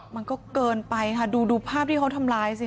มันก็เกินไปค่ะดูดูภาพที่เขาทำร้ายสิ